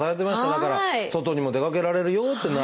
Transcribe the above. だから外にも出かけられるよってなる。